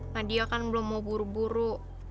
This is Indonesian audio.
nadia kan belum mau buru buru